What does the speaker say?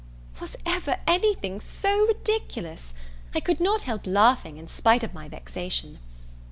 Was ever anything so ridiculous? I could not help laughing, in spite of my vexation.